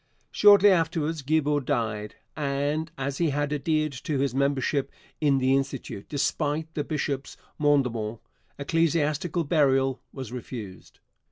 Shortly afterwards Guibord died, and as he had adhered to his membership in the Institute despite the bishop's mandement, ecclesiastical burial was refused.